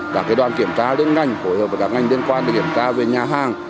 các đoàn kiểm tra đến ngành hội hợp với các ngành liên quan kiểm tra về nhà hàng